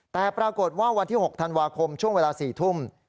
แต่ปรากฏว่าวันที่๖ธันวาคมช่วงเวลา๔ทุ่ม